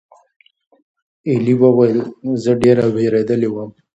ایلي وویل: "زه ډېره وېرېدلې وم."